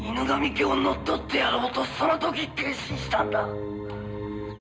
家を乗っ取ってやろうとその時決心したんだ。